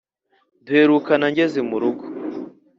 duherukana ngeze murugo